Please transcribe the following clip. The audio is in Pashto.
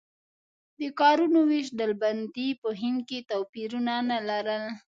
د کارونو وېش ډلبندي په هند کې توپیرونه نه لرل.